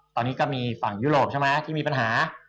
ตอนนี้ก็มีฝั่งยุโรปใช่ไหมที่มีปัญหา